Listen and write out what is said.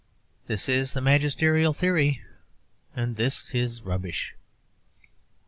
This is the magisterial theory, and this is rubbish.